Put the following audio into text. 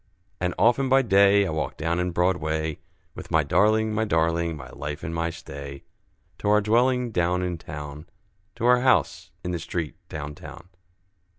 And often by day, I walk down in Broadway, With my darling, my darling, my life and my stay, To our dwelling down in town, To our house in the street down town.